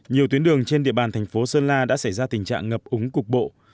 nhiều tuyến đường trên địa bàn thành phố sơn la đã xảy ra tình trạng ngập úng cục bộ